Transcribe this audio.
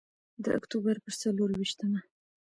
د اکتوبر په څلور ویشتمه.